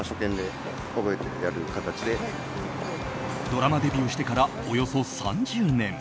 ドラマデビューしてからおよそ３０年。